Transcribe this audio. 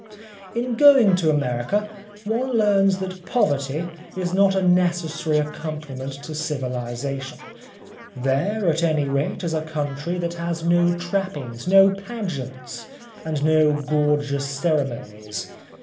In going to America one learns that poverty is not a necessary accompaniment to civilisation. There at any rate is a country that has no trappings, no pageants and no gorgeous ceremonies.